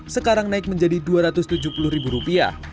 sekarang naik menjadi rp dua ratus tujuh puluh